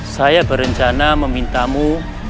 saya berencana memintamu